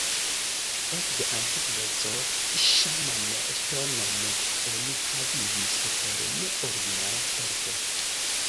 Ekde antikveco Ŝaman-ŝtonon oni havigis per ne ordinara forto.